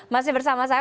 masih bersama saya